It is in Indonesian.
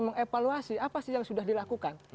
mengevaluasi apa sih yang sudah dilakukan